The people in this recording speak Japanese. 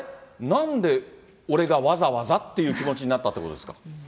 なんで、俺がわざわざっていう気持ちになったということですか。